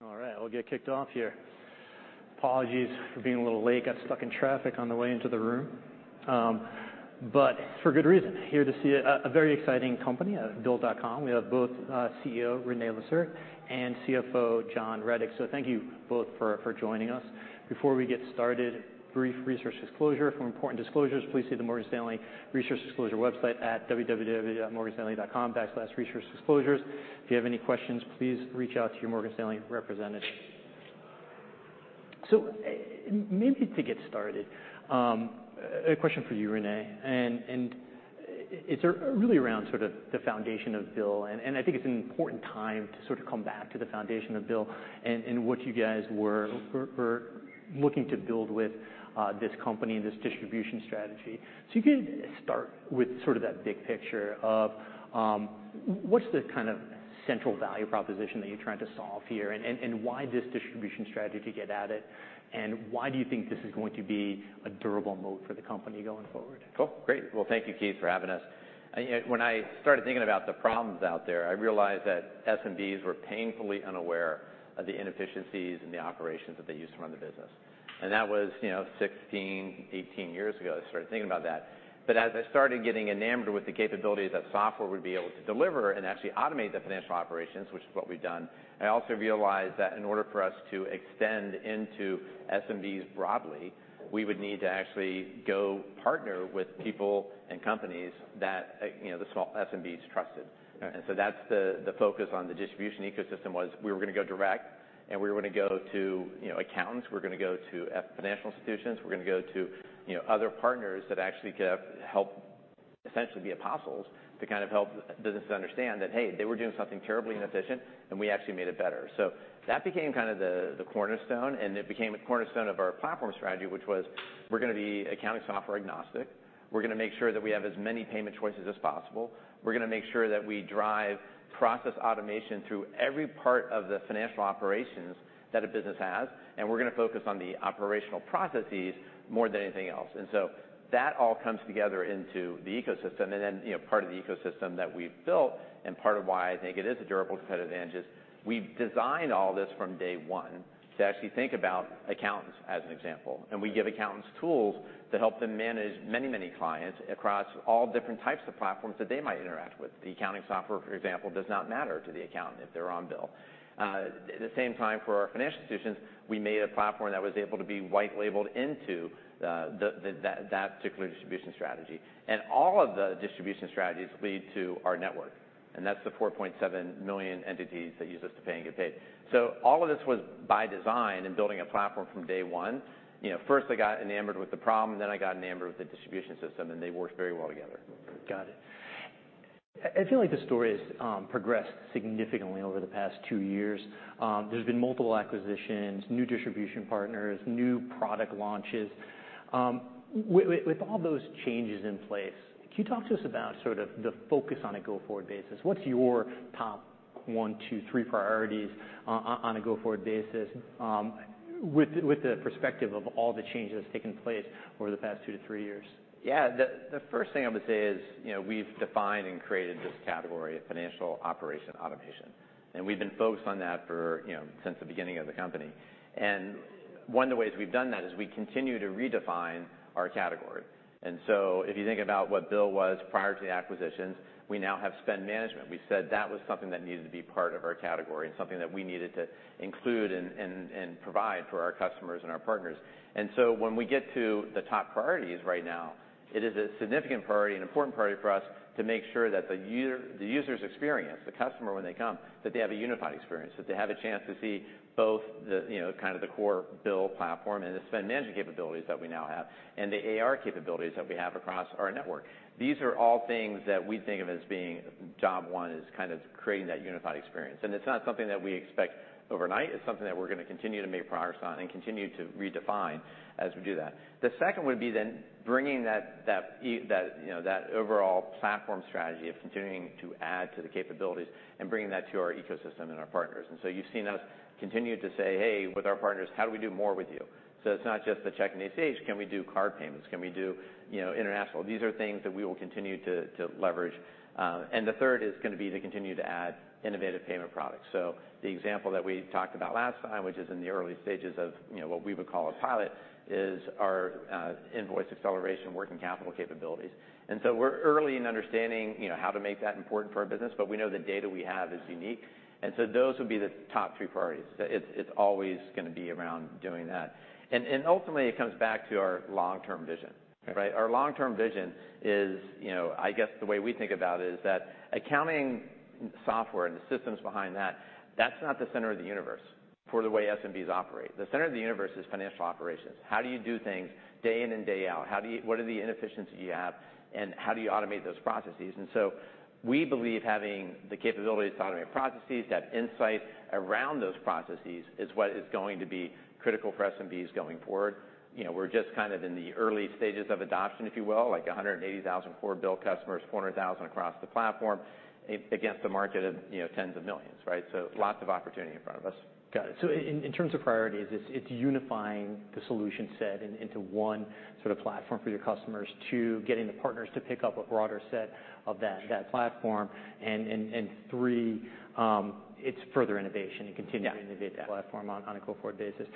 All right, we'll get kicked off here. Apologies for being a little late, got stuck in traffic on the way into the room. For good reason, here to see a very exciting company, bill.com. We have both CEO, René Lacerte, and CFO, John Rettig. Thank you both for joining us. Before we get started, brief research disclosure. For important disclosures, please see the Morgan Stanley Research Disclosure website at www.morganstanley.com/researchdisclosures. If you have any questions, please reach out to your Morgan Stanley representative. Maybe to get started, a question for you, René. It's really around sort of the foundation of BILL. I think it's an important time to sort of come back to the foundation of BILL and what you guys were looking to build with this company and this distribution strategy. You can start with sort of that big picture of what's the kind of central value proposition that you're trying to solve here, and why this distribution strategy to get at it, and why do you think this is going to be a durable moat for the company going forward? Cool. Great. Well, thank you, Keith, for having us. Yeah, when I started thinking about the problems out there, I realized that SMBs were painfully unaware of the inefficiencies in the operations that they use to run the business. That was, you know, 16, 18 years ago, I started thinking about that. As I started getting enamored with the capabilities that software would be able to deliver and actually automate the financial operations, which is what we've done, I also realized that in order for us to extend into SMBs broadly, we would need to actually go partner with people and companies that, you know, the small SMBs trusted. Okay. That's the focus on the distribution ecosystem was we were gonna go direct, and we were gonna go to, you know, accountants, we were gonna go to financial institutions, we were gonna go to, you know, other partners that actually could help essentially be apostles to kind of help businesses understand that, hey, they were doing something terribly inefficient, and we actually made it better. That became kind of the cornerstone, and it became a cornerstone of our platform strategy, which was we're gonna be accounting software agnostic. We're gonna make sure that we have as many payment choices as possible. We're gonna make sure that we drive process automation through every part of the financial operations that a business has, and we're gonna focus on the operational processes more than anything else. That all comes together into the ecosystem. You know, part of the ecosystem that we've built and part of why I think it is a durable competitive advantage is we've designed all this from day one to actually think about accountants, as an example. We give accountants tools to help them manage many clients across all different types of platforms that they might interact with. The accounting software, for example, does not matter to the accountant if they're on BILL. At the same time, for our financial institutions, we made a platform that was able to be white labeled into that particular distribution strategy. All of the distribution strategies lead to our network, and that's the 4.7 million entities that use us to pay and get paid. All of this was by design in building a platform from day one. You know, first I got enamored with the problem, then I got enamored with the distribution system, and they worked very well together. Got it. I feel like the story has progressed significantly over the past two years. There's been multiple acquisitions, new distribution partners, new product launches. With all those changes in place, can you talk to us about sort of the focus on a go-forward basis? What's your top one, two, three priorities on a go-forward basis, with the perspective of all the changes taking place over the past 2-3 years? Yeah. The, the first thing I would say is, you know, we've defined and created this category of financial operation automation, and we've been focused on that for, you know, since the beginning of the company. One of the ways we've done that is we continue to redefine our category. If you think about what BILL was prior to the acquisitions, we now have spend management. We said that was something that needed to be part of our category and something that we needed to include and provide for our customers and our partners. When we get to the top priorities right now, it is a significant priority and important priority for us to make sure that the user's experience, the customer when they come, that they have a unified experience, that they have a chance to see both the, you know, kind of the core BILL platform and the spend management capabilities that we now have and the AR capabilities that we have across our network. These are all things that we think of as being job one, is kind of creating that unified experience. It's not something that we expect overnight. It's something that we're gonna continue to make progress on and continue to redefine as we do that. The second would be then bringing that, you know, that overall platform strategy of continuing to add to the capabilities and bringing that to our ecosystem and our partners. You've seen us continue to say, "Hey," with our partners, "how do we do more with you?" It's not just the check and ACH. Can we do card payments? Can we do, you know, International? These are things that we will continue to leverage. The third is gonna be to continue to add innovative payment products. The example that we talked about last time, which is in the early stages of, you know, what we would call a pilot, is our invoice acceleration working capital capabilities. We're early in understanding, you know, how to make that important for our business, but we know the data we have is unique. Those would be the top three priorities. It's always gonna be around doing that. Ultimately, it comes back to our long-term vision, right? Okay. Our long-term vision is, you know, I guess the way we think about it is that accounting software and the systems behind that's not the center of the universe for the way SMBs operate. The center of the universe is financial operations. How do you do things day in and day out? What are the inefficiencies you have, and how do you automate those processes? We believe having the capabilities to automate processes, to have insight around those processes is what is going to be critical for SMBs going forward. You know, we're just kind of in the early stages of adoption, if you will, like 180,000 core BILL customers, 400,000 across the platform, against the market of, you know, tens of millions, right? Lots of opportunity in front of us. Got it. In terms of priorities, it's unifying the solution set into one sort of platform for your customers to getting the partners to pick up a broader set of that platform. Three, it's further innovation. Yeah.... to innovate that platform on a go-forward basis.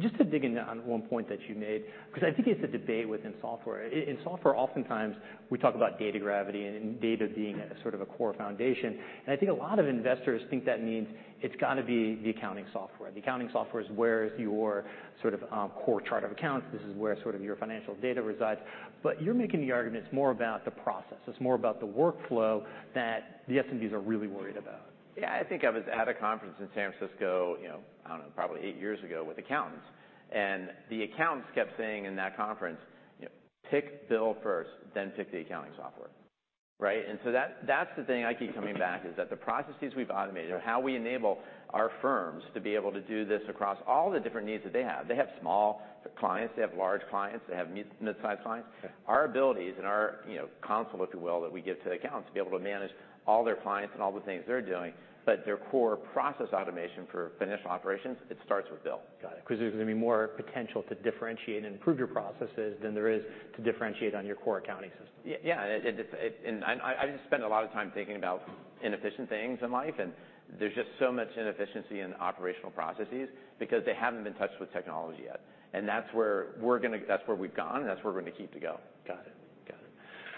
Just to dig in on one point that you made, 'cause I think it's a debate within software. In software, oftentimes we talk about data gravity and data being sort of a core foundation. I think a lot of investors think that means it's gotta be the accounting software. The accounting software is where your sort of core chart of accounts, this is where sort of your financial data resides. You're making the arguments more about the process. It's more about the workflow that the SMBs are really worried about. Yeah. I think I was at a conference in San Francisco, you know, I don't know, probably eight years ago with accountants. The accountants kept saying in that conference, you know, "Pick BILL first, then pick the accounting software." Right? That's the thing I keep coming back, is that the processes we've automated or how we enable our firms to be able to do this across all the different needs that they have. They have small clients, they have large clients, they have mid-sized clients. Yeah. Our abilities and our, you know, counsel, if you will, that we give to the accountants to be able to manage all their clients and all the things they're doing, but their core process automation for financial operations, it starts with BILL. Got it. 'Cause there's gonna be more potential to differentiate and improve your processes than there is to differentiate on your core accounting system. Yeah. I just spend a lot of time thinking about inefficient things in life, and there's just so much inefficiency in operational processes because they haven't been touched with technology yet. That's where we've gone, and that's where we're gonna keep to go. Got it. Got it.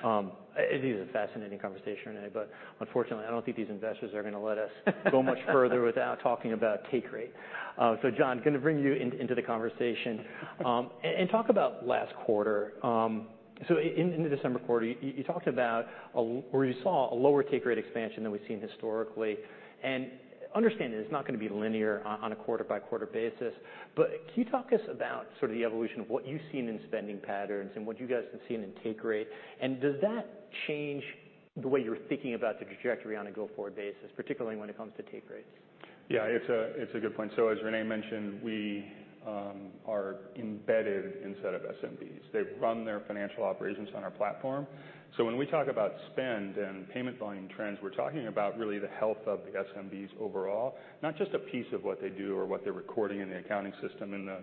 This is a fascinating conversation, René, unfortunately, I don't think these investors are gonna let us go much further without talking about take rate. John, gonna bring you into the conversation and talk about last quarter. In the December quarter, you talked about where you saw a lower take rate expansion than we've seen historically. Understanding it's not gonna be linear on a quarter-by-quarter basis, can you talk to us about sort of the evolution of what you've seen in spending patterns and what you guys have seen in take rate? Does that change the way you're thinking about the trajectory on a go-forward basis, particularly when it comes to take rates? It's a good point. As René mentioned, we are embedded inside of SMBs. They run their financial operations on our platform. When we talk about spend and payment volume trends, we're talking about really the health of the SMBs overall, not just a piece of what they do or what they're recording in the accounting system. In the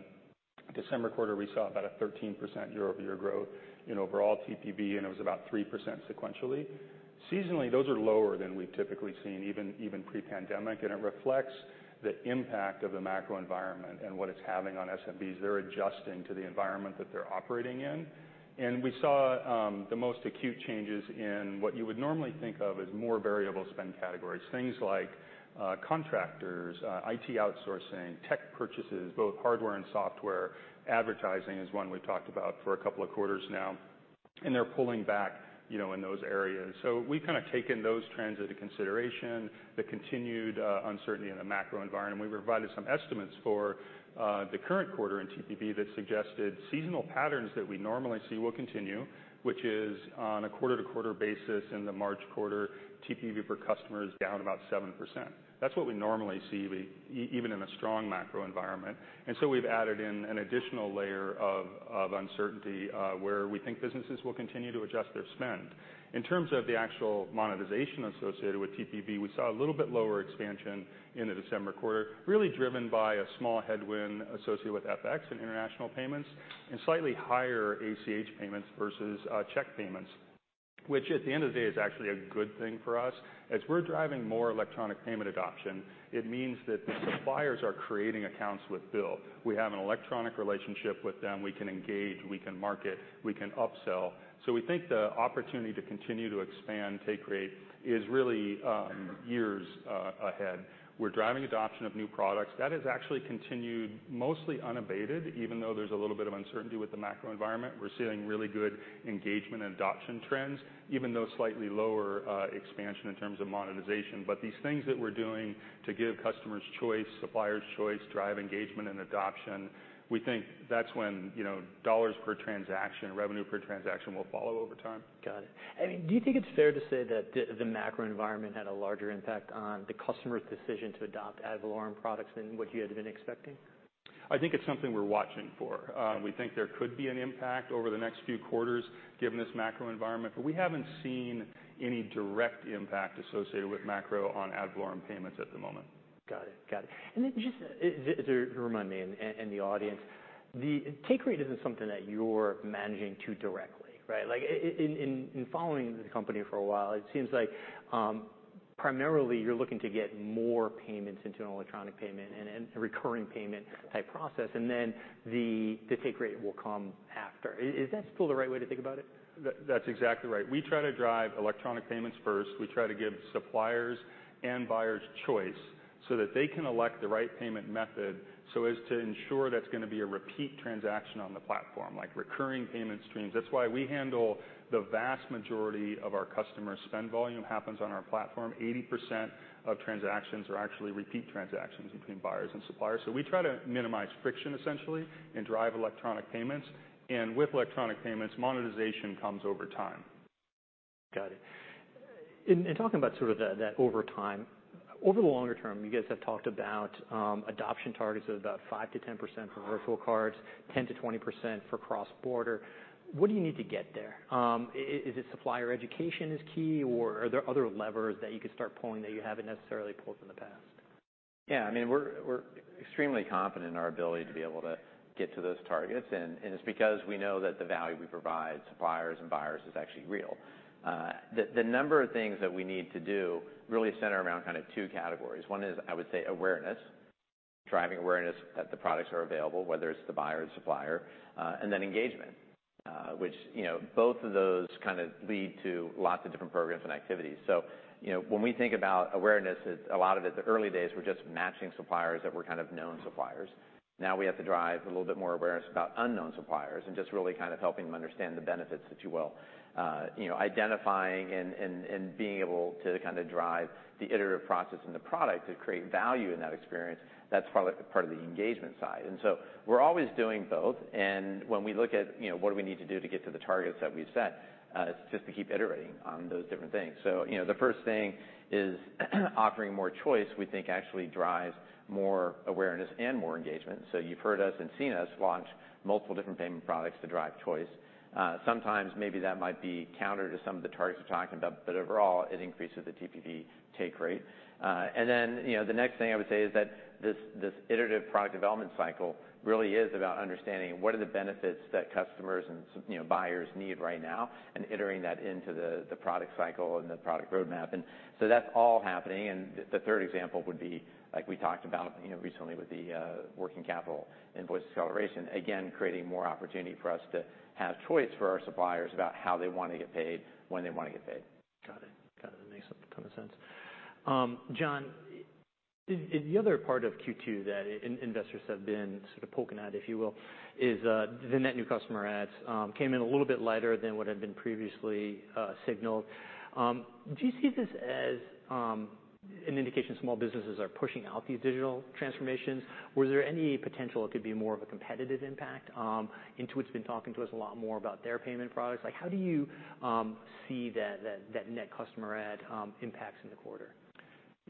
December quarter, we saw about a 13% year-over-year growth in overall TPV, and it was about 3% sequentially. Seasonally, those are lower than we've typically seen, even pre-pandemic, and it reflects the impact of the macro environment and what it's having on SMBs. They're adjusting to the environment that they're operating in. We saw the most acute changes in what you would normally think of as more variable spend categories, things like contractors, IT outsourcing, tech purchases, both hardware and software. Advertising is one we've talked about for a couple of quarters now, and they're pulling back, you know, in those areas. We've kind of taken those trends into consideration, the continued uncertainty in the macro environment. We've provided some estimates for the current quarter in TPV that suggested seasonal patterns that we normally see will continue, which is on a quarter-to-quarter basis in the March quarter, TPV per customer is down about 7%. That's what we normally see even in a strong macro environment. We've added in an additional layer of uncertainty where we think businesses will continue to adjust their spend. In terms of the actual monetization associated with TPV, we saw a little bit lower expansion in the December quarter, really driven by a small headwind associated with FX and International Payments and slightly higher ACH payments versus check payments, which at the end of the day is actually a good thing for us. As we're driving more electronic payment adoption, it means that the suppliers are creating accounts with BILL. We have an electronic relationship with them. We can engage, we can market, we can upsell. We think the opportunity to continue to expand take rate is really years ahead. We're driving adoption of new products. That has actually continued mostly unabated, even though there's a little bit of uncertainty with the macro environment. We're seeing really good engagement and adoption trends, even though slightly lower expansion in terms of monetization. These things that we're doing to give customers choice, suppliers choice, drive engagement and adoption, we think that's when, you know, dollars per transaction, revenue per transaction will follow over time. Got it. I mean, do you think it's fair to say that the macro environment had a larger impact on the customer's decision to adopt ad valorem products than what you had been expecting? I think it's something we're watching for. We think there could be an impact over the next few quarters given this macro environment, but we haven't seen any direct impact associated with macro on ad valorem payments at the moment. Got it. Got it. Then just, to remind me and the audience, the take rate isn't something that you're managing too directly, right? Like in following the company for a while, it seems like, primarily you're looking to get more payments into an electronic payment and a recurring payment type process, and then the take rate will come after. Is that still the right way to think about it? That's exactly right. We try to drive electronic payments first. We try to give suppliers and buyers choice so that they can elect the right payment method so as to ensure that's gonna be a repeat transaction on the platform, like recurring payment streams. That's why we handle the vast majority of our customers' spend volume happens on our platform. 80% of transactions are actually repeat transactions between buyers and suppliers. We try to minimize friction, essentially, and drive electronic payments. With electronic payments, monetization comes over time. Got it. In talking about sort of that over time, over the longer term, you guys have talked about adoption targets of about 5%-10% for virtual cards, 10%-20% for cross-border. What do you need to get there? Is it supplier education is key, or are there other levers that you could start pulling that you haven't necessarily pulled in the past? Yeah, I mean, we're extremely confident in our ability to be able to get to those targets, and it's because we know that the value we provide suppliers and buyers is actually real. The number of things that we need to do really center around kind of two categories. One is, I would say, awareness, driving awareness that the products are available, whether it's the buyer or the supplier, and then engagement, which, you know, both of those kind of lead to lots of different programs and activities. You know, when we think about awareness, it's a lot of it, the early days were just matching suppliers that were kind of known suppliers. Now we have to drive a little bit more awareness about unknown suppliers and just really kind of helping them understand the benefits, if you will. You know, identifying and being able to kind of drive the iterative process in the product to create value in that experience, that's part of the engagement side. We're always doing both, and when we look at, you know, what do we need to do to get to the targets that we've set, it's just to keep iterating on those different things. You know, the first thing is offering more choice, we think actually drives more awareness and more engagement. You've heard us and seen us launch multiple different payment products to drive choice. Sometimes maybe that might be counter to some of the targets we're talking about, but overall, it increases the TPV take rate. You know, the next thing I would say is that this iterative product development cycle really is about understanding what are the benefits that customers and you know, buyers need right now, and iterating that into the product cycle and the product roadmap. That's all happening, and the third example would be, like we talked about, you know, recently with the working capital invoice acceleration, again, creating more opportunity for us to have choice for our suppliers about how they wanna get paid, when they wanna get paid. Got it. Got it. Makes a ton of sense. John, the other part of Q2 that investors have been sort of poking at, if you will, is the net new customer adds, came in a little bit lighter than what had been previously signaled. Do you see this as an indication small businesses are pushing out these digital transformations? Was there any potential it could be more of a competitive impact? Intuit's been talking to us a lot more about their payment products. Like, how do you see that net customer add impacts in the quarter?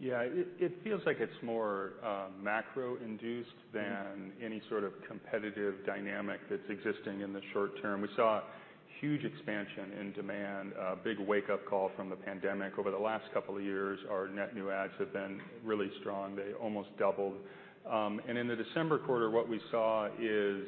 Yeah. It, it feels like it's more macro induced than any sort of competitive dynamic that's existing in the short term. We saw huge expansion in demand, a big wake-up call from the pandemic over the last couple of years. Our net new adds have been really strong. They almost doubled. In the December quarter, what we saw is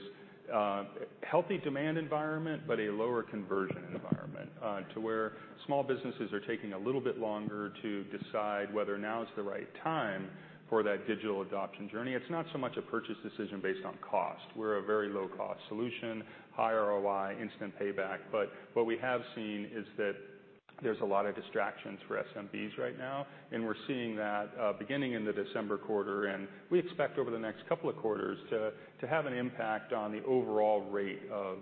healthy demand environment, but a lower conversion environment to where small businesses are taking a little bit longer to decide whether now is the right time for that digital adoption journey. It's not so much a purchase decision based on cost. We're a very low-cost solution, high ROI, instant payback. What we have seen is that there's a lot of distractions for SMBs right now, and we're seeing that beginning in the December quarter, and we expect over the next couple of quarters to have an impact on the overall rate of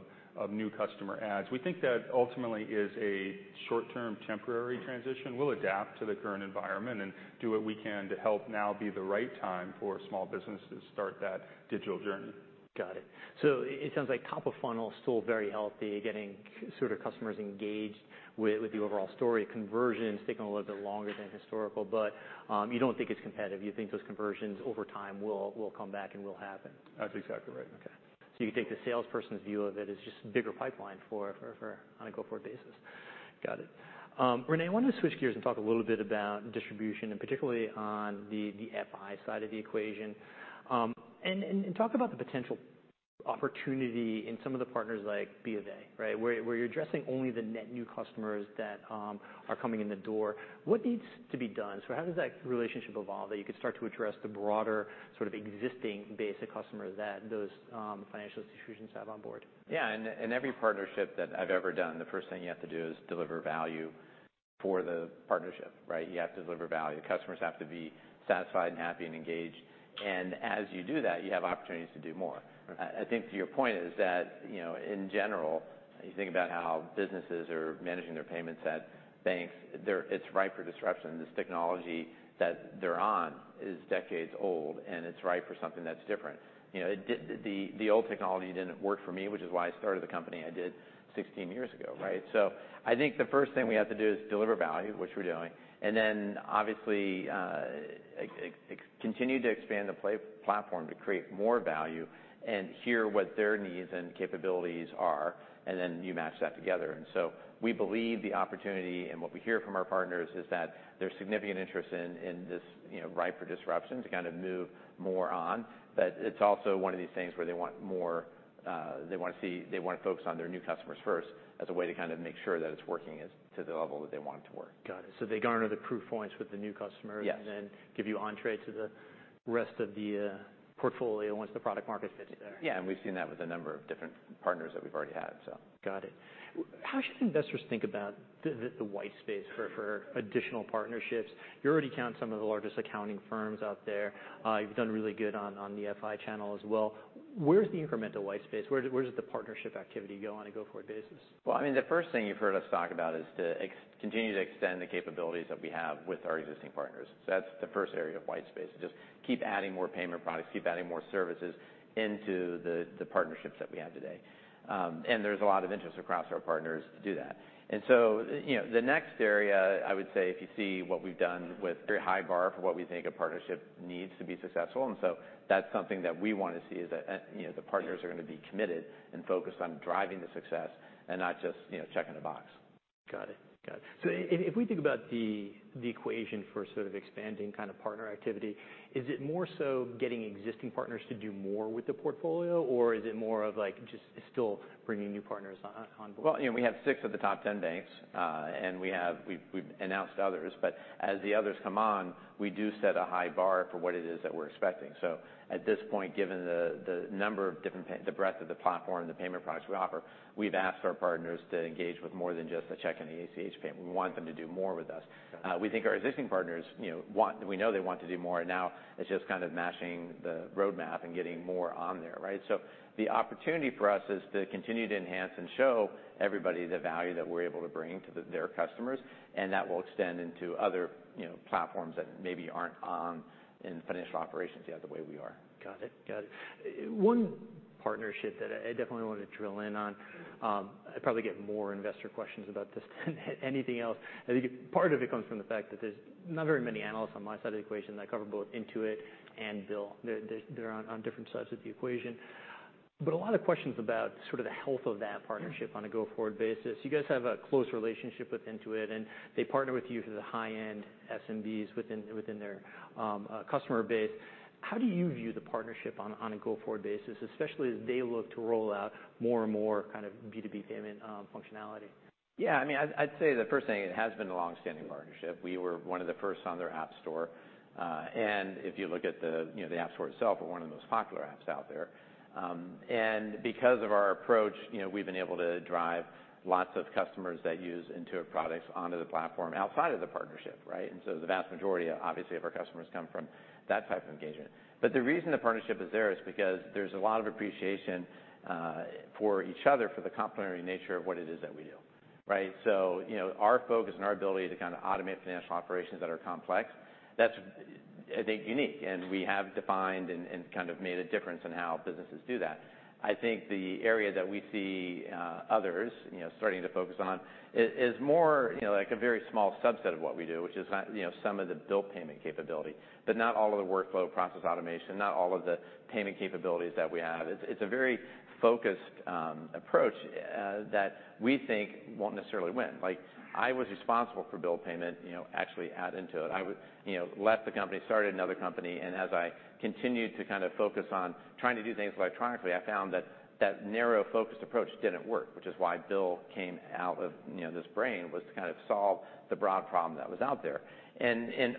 new customer adds. We think that ultimately is a short-term temporary transition. We'll adapt to the current environment and do what we can to help now be the right time for small businesses to start that digital journey. Got it. It sounds like top of funnel is still very healthy, getting sort of customers engaged with the overall story. Conversion is taking a little bit longer than historical, but you don't think it's competitive. You think those conversions over time will come back and will happen. That's exactly right. Okay. You can take the salesperson's view of it as just bigger pipeline for on a go-forward basis. Got it. René, I wanna switch gears and talk a little bit about distribution, and particularly on the FI side of the equation. And talk about the potential opportunity in some of the partners like Bank of America, right? Where you're addressing only the net new customers that are coming in the door. What needs to be done? How does that relationship evolve, that you could start to address the broader sort of existing base of customer that those financial institutions have on board? Yeah. In every partnership that I've ever done, the first thing you have to do is deliver value for the partnership, right? You have to deliver value. Customers have to be satisfied and happy and engaged, and as you do that, you have opportunities to do more. Okay. I think to your point is that, you know, in general, you think about how businesses are managing their payments at banks, it's ripe for disruption. This technology that they're on is decades old, and it's ripe for something that's different. You know, the old technology didn't work for me, which is why I started the company I did 16 years ago, right? I think the first thing we have to do is deliver value, which we're doing, and then obviously, continue to expand the platform to create more value and hear what their needs and capabilities are, and then you match that together. We believe the opportunity and what we hear from our partners is that there's significant interest in this, you know, ripe for disruption to kind of move more on. It's also one of these things where they want more, they wanna focus on their new customers first as a way to kind of make sure that it's working as to the level that they want it to work. Got it. They garner the proof points with the new customer. Yes. Give you entree to the rest of the portfolio once the product market fits there. Yeah, we've seen that with a number of different partners that we've already had, so. Got it. How should investors think about the white space for additional partnerships? You already count some of the largest accounting firms out there. You've done really good on the FI channel as well. Where's the incremental white space? Where does the partnership activity go on a go-forward basis? Well, I mean, the first thing you've heard us talk about is continue to extend the capabilities that we have with our existing partners. That's the first area of white space, is just keep adding more payment products, keep adding more services into the partnerships that we have today. There's a lot of interest across our partners to do that. You know, the next area, I would say, if you see what we've done with very high bar for what we think a partnership needs to be successful, and so that's something that we wanna see is that, you know, the partners are gonna be committed and focused on driving the success and not just, you know, checking a box. Got it. Got it. If we think about the equation for sort of expanding kind of partner activity, is it more so getting existing partners to do more with the portfolio, or is it more of, like, just still bringing new partners on board? Well, you know, we have six of the top 10 banks, we've announced others. As the others come on, we do set a high bar for what it is that we're expecting. At this point, given the number of different the breadth of the platform and the payment products we offer, we've asked our partners to engage with more than just the check and the ACH payment. We want them to do more with us. Got it. We think our existing partners, you know, we know they want to do more. Now it's just kind of matching the roadmap and getting more on there, right? The opportunity for us is to continue to enhance and show everybody the value that we're able to bring to their customers, and that will extend into other, you know, platforms that maybe aren't on in financial operations yet the way we are. Got it. Got it. One partnership that I definitely want to drill in on, I probably get more investor questions about this than anything else. I think part of it comes from the fact that there's not very many analysts on my side of the equation that cover both Intuit and BILL. They're on different sides of the equation. A lot of questions about sort of the health of that partnership on a go-forward basis. You guys have a close relationship with Intuit, and they partner with you for the high-end SMBs within their customer base. How do you view the partnership on a go-forward basis, especially as they look to roll out more and more kind of B2B payment functionality? I mean, I'd say the first thing, it has been a long-standing partnership. We were one of the first on their App Store. If you look at the, you know, the App Store itself, we're one of the most popular apps out there. Because of our approach, you know, we've been able to drive lots of customers that use Intuit products onto the platform outside of the partnership, right? The vast majority, obviously, of our customers come from that type of engagement. The reason the partnership is there is because there's a lot of appreciation for each other, for the complementary nature of what it is that we do, right? You know, our focus and our ability to kind of automate financial operations that are complex, that's, I think, unique. We have defined and kind of made a difference in how businesses do that. I think the area that we see, others, you know, starting to focus on is more, you know, like a very small subset of what we do, which is not, you know, some of the bill payment capability. Not all of the workflow process automation, not all of the payment capabilities that we have. It's a very focused approach that we think won't necessarily win. Like, I was responsible for bill payment, you know, actually at Intuit. You know, left the company, started another company, and as I continued to kind of focus on trying to do things electronically, I found that that narrow, focused approach didn't work, which is why BILL came out of, you know, this brain, was to kind of solve the broad problem that was out there.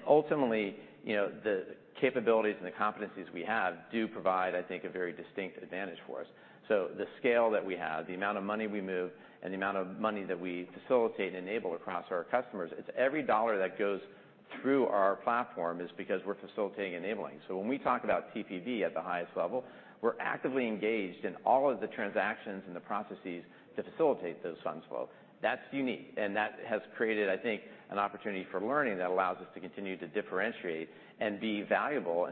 Ultimately, you know, the capabilities and the competencies we have do provide, I think, a very distinct advantage for us. The scale that we have, the amount of money we move and the amount of money that we facilitate and enable across our customers, it's every dollar that goes through our platform is because we're facilitating enabling. When we talk about TPV at the highest level, we're actively engaged in all of the transactions and the processes to facilitate those funds flow. That's unique, and that has created, I think, an opportunity for learning that allows us to continue to differentiate and be valuable.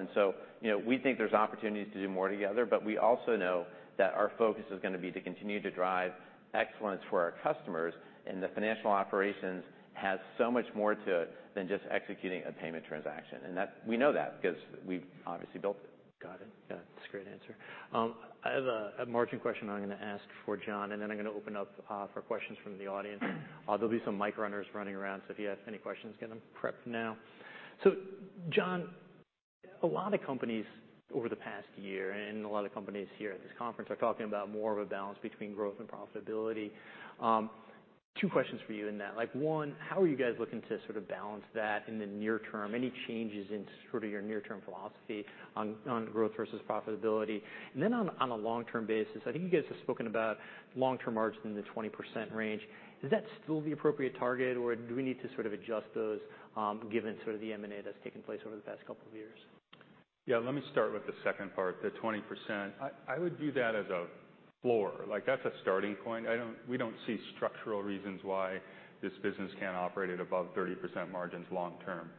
You know, we think there's opportunities to do more together, but we also know that our focus is gonna be to continue to drive excellence for our customers. The financial operations has so much more to it than just executing a payment transaction. That we know that because we've obviously built it. Got it. Got it. That's a great answer. I have a margin question I'm gonna ask for John, and then I'm gonna open up for questions from the audience. There'll be some mic runners running around, if you have any questions, get them prepped now. John, a lot of companies over the past year and a lot of companies here at this conference are talking about more of a balance between growth and profitability. Two questions for you in that. Like, one, how are you guys looking to sort of balance that in the near term? Any changes in sort of your near-term philosophy on growth versus profitability? On a long-term basis, I think you guys have spoken about long-term margin in the 20% range. Is that still the appropriate target, or do we need to sort of adjust those, given sort of the M&A that's taken place over the past couple of years? Let me start with the second part, the 20%. I would view that as a floor. Like that's a starting point. We don't see structural reasons why this business can't operate at above 30% margins long term.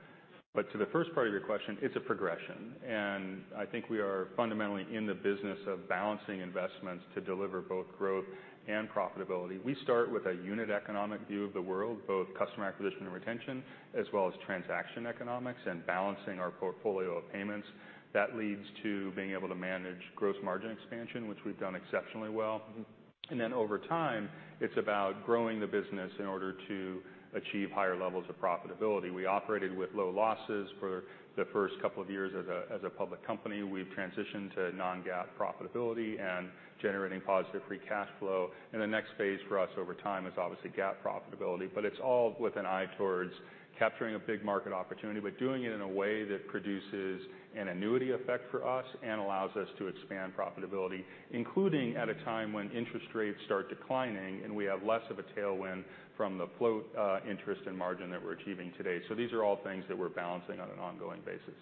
To the first part of your question, it's a progression, and I think we are fundamentally in the business of balancing investments to deliver both growth and profitability. We start with a unit economic view of the world, both customer acquisition and retention, as well as transaction economics and balancing our portfolio of payments. That leads to being able to manage gross margin expansion, which we've done exceptionally well. Mm-hmm. Over time, it's about growing the business in order to achieve higher levels of profitability. We operated with low losses for the first couple of years as a public company. We've transitioned to non-GAAP profitability and generating positive free cash flow. The next phase for us over time is obviously GAAP profitability, but it's all with an eye towards capturing a big market opportunity, but doing it in a way that produces an annuity effect for us and allows us to expand profitability, including at a time when interest rates start declining and we have less of a tailwind from the float interest and margin that we're achieving today. These are all things that we're balancing on an ongoing basis.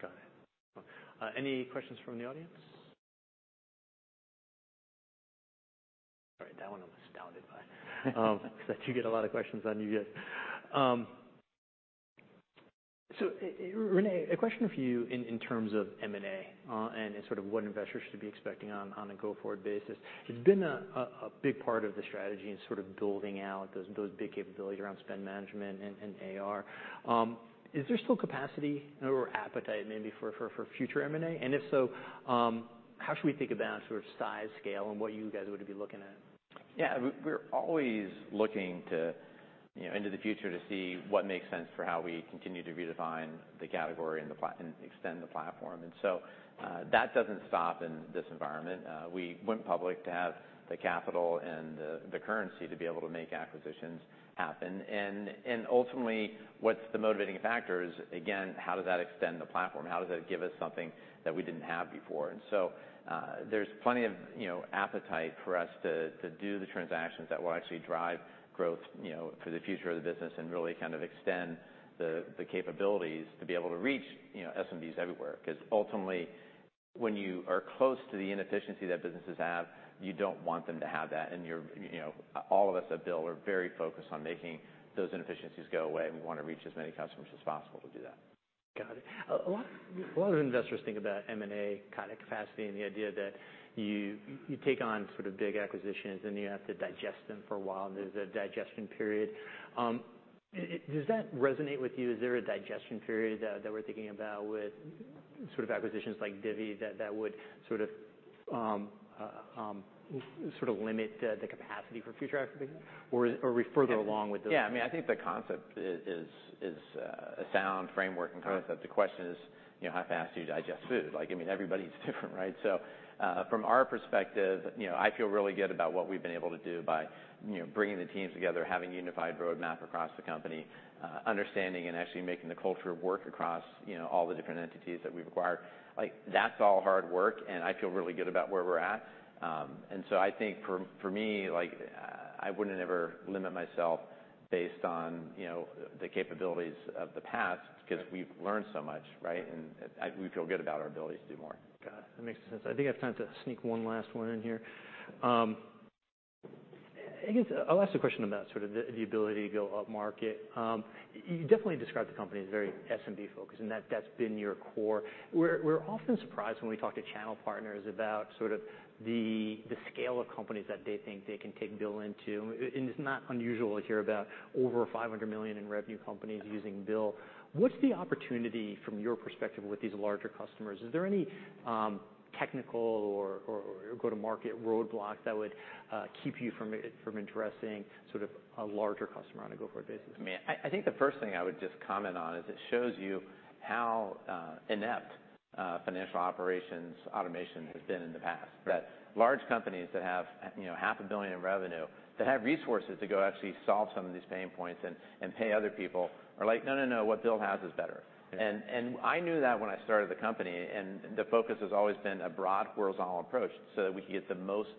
Got it. Any questions from the audience? All right, that one was outstanded by 'cause I do get a lot of questions on you guys. René, a question for you in terms of M&A, and in sort of what investors should be expecting on a go-forward basis. It's been a big part of the strategy in sort of building out those big capabilities around spend management and AR. Is there still capacity or appetite maybe for future M&A? If so, how should we think about sort of size, scale, and what you guys would be looking at? Yeah. We're always looking to, you know, into the future to see what makes sense for how we continue to redefine the category and extend the platform. That doesn't stop in this environment. We went public to have the capital and the currency to be able to make acquisitions happen. Ultimately, what's the motivating factor is, again, how does that extend the platform? How does it give us something that we didn't have before? There's plenty of, you know, appetite for us to do the transactions that will actually drive growth, you know, for the future of the business and really kind of extend the capabilities to be able to reach, you know, SMBs everywhere. 'Cause ultimately, when you are close to the inefficiency that businesses have, you don't want them to have that. You're, you know, all of us at BILL are very focused on making those inefficiencies go away, and we wanna reach as many customers as possible to do that. Got it. A lot of investors think about M&A kind of capacity and the idea that you take on sort of big acquisitions and you have to digest them for a while, and there's a digestion period. Does that resonate with you? Is there a digestion period that we're thinking about with sort of acquisitions like Divvy that would sort of limit the capacity for future acquisitions? Or are we further along with those? I mean, I think the concept is a sound framework and concept. The question is, you know, how fast do you digest food? Like, I mean, everybody's different, right? From our perspective, you know, I feel really good about what we've been able to do by, you know, bringing the teams together, having unified roadmap across the company, understanding and actually making the culture work across, you know, all the different entities that we've acquired. Like, that's all hard work, and I feel really good about where we're at. I think for me, like, I wouldn't ever limit myself based on, you know, the capabilities of the past 'cause we've learned so much, right? We feel good about our ability to do more. Got it. That makes sense. I think I have time to sneak one last one in here. I guess I'll ask a question about sort of the ability to go up market. You definitely describe the company as very SMB-focused and that's been your core. We're often surprised when we talk to channel partners about sort of the scale of companies that they think they can take BILL into. It's not unusual to hear about over $500 million in revenue companies using BILL. What's the opportunity from your perspective with these larger customers? Is there any technical or go-to-market roadblock that would keep you from addressing sort of a larger customer on a go-forward basis? I mean, I think the first thing I would just comment on is it shows you how inept financial operations automation has been in the past. Right. That large companies that have, you know, half a billion in revenue, that have resources to go actually solve some of these pain points and pay other people are like, "No, no. What BILL has is better. Yeah. I knew that when I started the company, and the focus has always been a broad horizontal approach so that we could get the most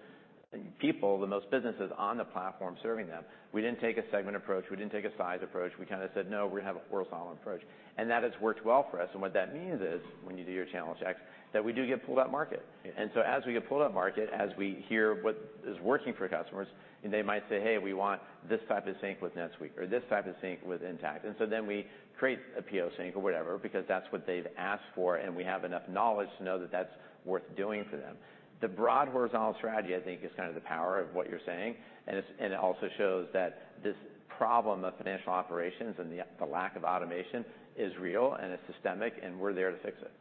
people, the most businesses on the platform serving them. We didn't take a segment approach. We didn't take a size approach. We kind of said, "No, we're gonna have a horizontal approach." That has worked well for us. What that means is, when you do your channel checks, that we do get pull up market. Yeah. As we get pull up market, as we hear what is working for customers, and they might say, "Hey, we want this type of sync with NetSuite or this type of sync with Intacct." Then we create a PO sync or whatever because that's what they've asked for, and we have enough knowledge to know that that's worth doing for them. The broad horizontal strategy, I think, is kind of the power of what you're saying. It also shows that this problem of financial operations and the lack of automation is real, and it's systemic, and we're there to fix it.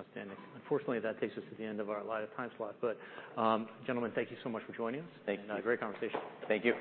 Outstanding. Unfortunately, that takes us to the end of our allotted time slot. Gentlemen, thank you so much for joining us. Thank you. Great conversation. Thank you.